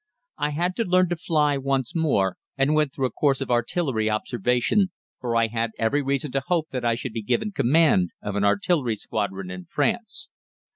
I had to learn to fly once more, and went through a course of artillery observation, for I had every reason to hope that I should be given command of an artillery squadron in France.